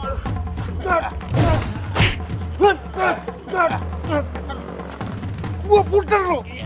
ini capit ya